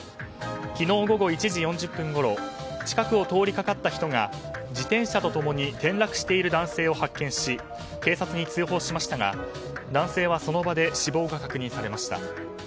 昨日午後１時４０分ごろ近くを通りかかった人が自転車と共に転落している男性を発見し警察に通報しましたが男性はその場で死亡が確認されました。